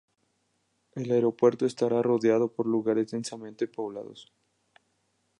El aeropuerto estará rodeado por lugares densamente poblados.